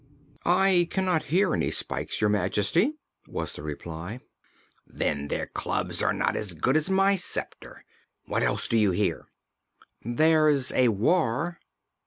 "I cannot hear any spikes, Your Majesty," was the reply. "Then their clubs are not as good as my sceptre. What else do you hear?' "There's a war.